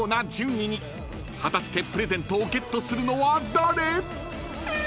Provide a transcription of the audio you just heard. ［果たしてプレゼントをゲットするのは誰⁉］